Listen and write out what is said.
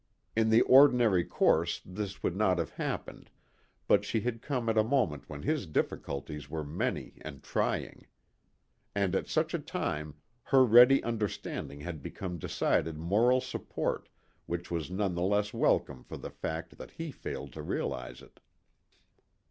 In the ordinary course this would not have happened, but she had come at a moment when his difficulties were many and trying. And at such a time her ready understanding had become decided moral support which was none the less welcome for the fact that he failed to realize it.